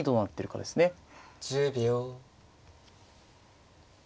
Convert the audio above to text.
１０秒。